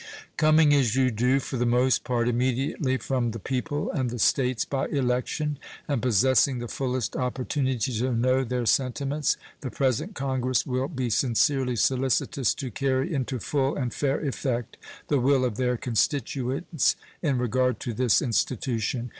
Coming as you do, for the most part, immediately from the people and the States by election, and possessing the fullest opportunity to know their sentiments, the present Congress will be sincerely solicitous to carry into full and fair effect the will of their constituents in regard to this institution.